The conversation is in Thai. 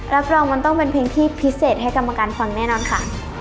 รับรองมันต้องเป็นเพลงที่พิเศษให้กรรมการฟังแน่นอนค่ะ